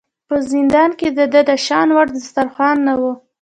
په زندان کې د ده د شان وړ دسترخوان نه و.